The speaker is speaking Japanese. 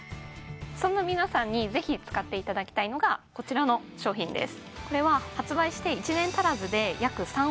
そんな皆さんにぜひ使っていただきたいのがこちらの商品です